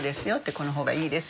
「このほうがいいですよ」